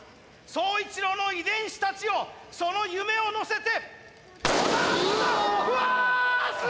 宗一郎の遺伝子たちよその夢を乗せて。